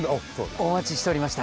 おまちしておりました。